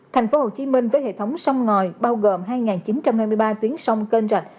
thành phố hồ chí minh với hệ thống sông ngòi bao gồm hai chín trăm hai mươi ba tuyến sông kênh rạch